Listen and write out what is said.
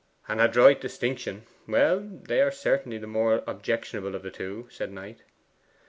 'An adroit distinction. Well, they are certainly the more objectionable of the two,' said Knight.